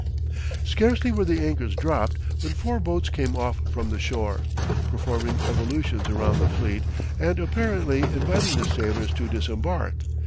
Scarcely were the anchors dropped when four boats came off from the shore, performing evolutions around the fleet, and apparently inviting the sailors to disembark.